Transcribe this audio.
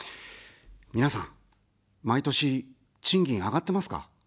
皆さん、毎年、賃金上がってますか。